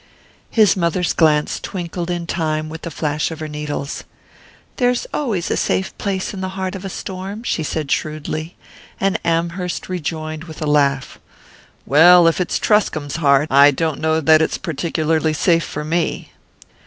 His mother's glance twinkled in time with the flash of her needles. "There's always a safe place in the heart of a storm," she said shrewdly; and Amherst rejoined with a laugh: "Well, if it's Truscomb's heart, I don't know that it's particularly safe for me."